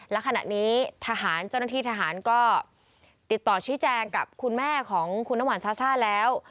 และขณะนี้ทหารเจ้าหน้าที่ทหารก็ติดต่อชี้แจงกับคุณแม่ของคุณน้ำหวานซาซ่าแล้ว